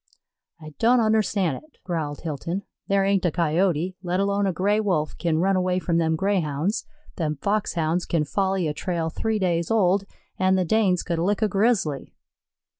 "I don't unnerstan' it," growled Hilton. "There ain't a Coyote, let alone a Gray wolf, kin run away from them Greyhounds; them Foxhounds kin folly a trail three days old, an' the Danes could lick a Grizzly."